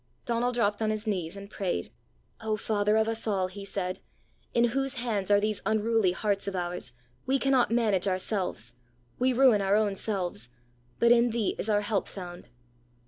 Donal dropped on his knees and prayed: "O Father of us all!" he said, "in whose hands are these unruly hearts of ours, we cannot manage ourselves; we ruin our own selves; but in thee is our help found!"